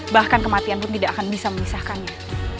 bahkan kematian pun tidak akan bisa memisahkannya